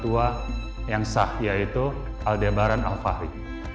dan orang tua yang sah yaitu aldebaran al fahri